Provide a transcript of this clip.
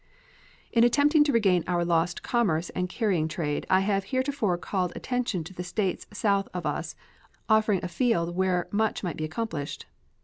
In attempting to regain our lost commerce and carrying trade I have heretofore called attention to the States south of us offering a field where much might be accomplished.